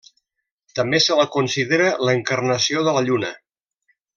També se la considera l'encarnació de la lluna.